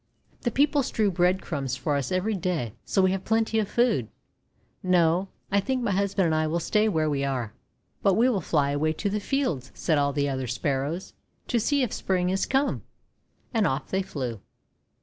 The people strew bread crumbs for us every day, so we have plenty of food. No! I think my hus band and I will stay where we are." "But we will fly away to the fields," said all the other Sparrows, "to see if Spring is come." And off they flew.